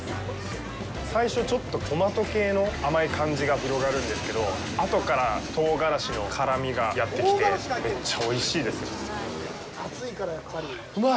最初、ちょっとトマト系の甘い感じが広がるんですけど、あとから唐辛子の辛みがやってきて、めっちゃおいしいです。